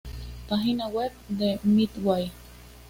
Página web de Midway